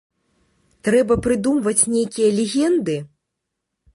Трэба прыдумваць нейкія легенды?